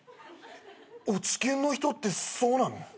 落研の人ってそうなの？